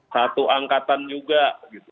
satu angkatan juga gitu